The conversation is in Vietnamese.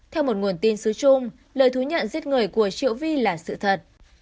theo một nguồn tin xứ trung lời thú nhận giết người của triệu vi là sự thật